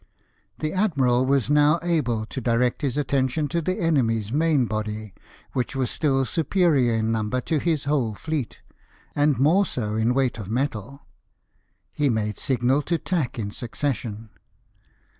The admiral was now able to direct his attention to the enemy's main body, which was still superior in number to his whole fleet, and more so in weight of metal. He made signal to tack in succession.